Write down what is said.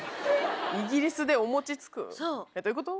イギリスでお餅つく？どういうこと？